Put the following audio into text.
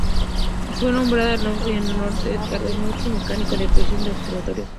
Fue nombrado Mannucci en honor a Edgardo Mannucci mecánico de precisión del observatorio.